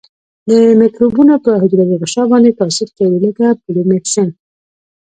د مکروبونو په حجروي غشا باندې تاثیر کوي لکه پولیمیکسین.